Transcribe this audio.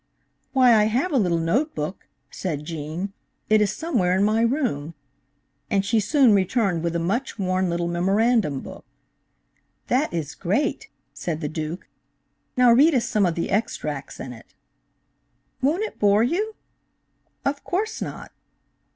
"Why, I have a little note book," said Gene, "it is somewhere in my room," and she soon returned with a much worn little memorandum book. "That is great," said the Duke; "now read us some of the extracts in it." "Won't it bore you?" "Of course not."